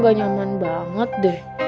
gak nyaman banget deh